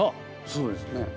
そうですね。